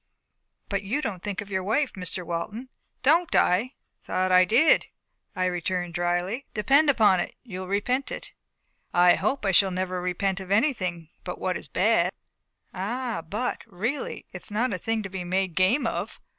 "But you don't think of your wife, Mr. Walton." "Don't I? I thought I did," I returned dryly. "Depend upon it, you'll repent it." "I hope I shall never repent of anything but what is bad." "Ah! but, really! it's not a thing to be made game of."